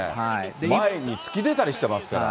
前に突き出たりしてますから。